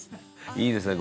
「いいですね